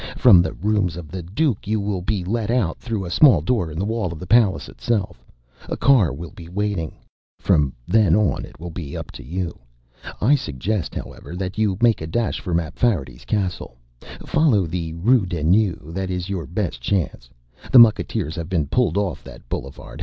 From the rooms of the Duke you will be let out through a small door in the wall of the palace itself. A car will be waiting. "From then on it will be up to you. I suggest, however, that you make a dash for Mapfarity's castle. Follow the Rue des Nues; that is your best chance. The mucketeers have been pulled off that boulevard.